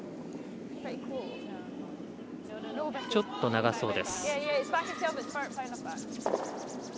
ちょっと長そうです。